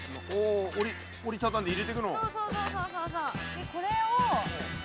でこれを。